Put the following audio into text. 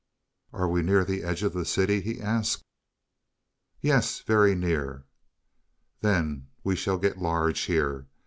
"Are we near the edge of the city?" he asked. "Yes, very near." "Then we shall get large here.